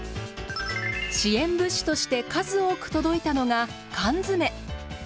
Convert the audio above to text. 支援物資として数多く届いたのが缶詰。